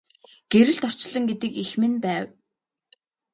Гэрэлт орчлон гэдэг эх минь байв.